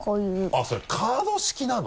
あっそれカード式なの？